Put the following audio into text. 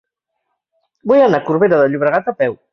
Vull anar a Corbera de Llobregat a peu.